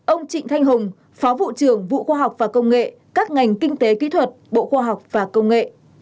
ông trịnh thanh hùng phó vụ trưởng vụ khoa học và công nghệ các ngành kinh tế kỹ thuật bộ khoa học và công nghệ